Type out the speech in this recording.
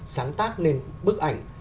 sáng tác nên bức ảnh